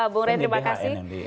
bung rey terima kasih